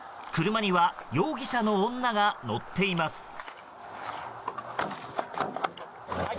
車には容疑者の女が乗っています。